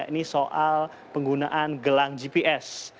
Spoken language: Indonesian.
ini soal penggunaan gelang gps